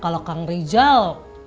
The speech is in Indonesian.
kalau kang rijal